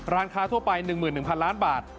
ร้านค้าทั่วไป๑๑๐๐ล้านบาท